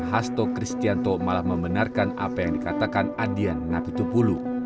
hasto kristianto malah membenarkan apa yang dikatakan adian napitupulu